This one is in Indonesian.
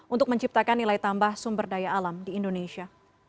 untuk menciptakan nilai tambah sumber daya alam di indonesia